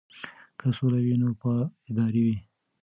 که سوله وي نو پایدار وي.